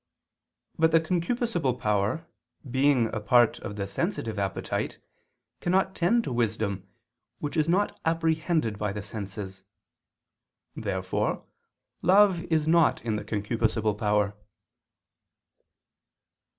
But the concupiscible power, being a part of the sensitive appetite, cannot tend to wisdom, which is not apprehended by the senses. Therefore love is not in the concupiscible power.